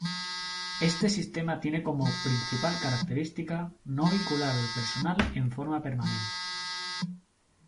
Este sistema tiene como principal característica, no vincular al personal en forma permanente.